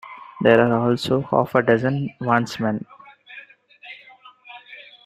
There are also half a dozen wandsmen.